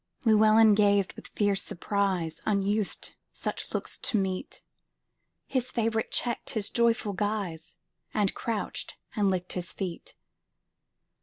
Llewelyn gazed with fierce surprise; Unused such looks to meet, His favorite checked his joyful guise, And crouched and licked his feet.